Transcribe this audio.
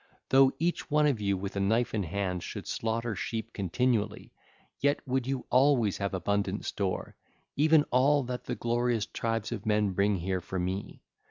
Though each one of you with knife in hand should slaughter sheep continually, yet would you always have abundant store, even all that the glorious tribes of men bring here for me.